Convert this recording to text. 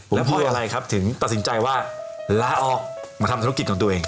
แล้วห้อยอะไรถึงตัดสินใจล้าออกมาทำธนกิจของตัวเอง